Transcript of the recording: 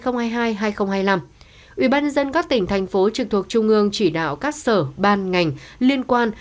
nhân dân các tỉnh thành phố trực thuộc trung ương chỉ đạo các sở ban ngành liên quan